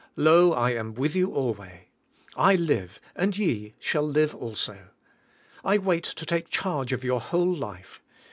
"Lo, I am with you alway." "I live, and ye shall live also." "I Vv'ait to take charge of your whole life.